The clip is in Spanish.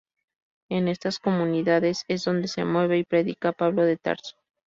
En estas comunidades es donde se mueve y predica Pablo de Tarso.